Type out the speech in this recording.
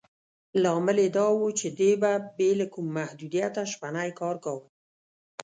لامل یې دا و چې دې به بې له کوم محدودیته شپنی کار کاوه.